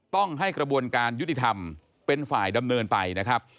ต้องให้กระบวนการยุติธรรมเป็นฝ่ายดำเนินไปนะครับ